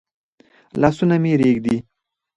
لاسونه مي رېږدي ؟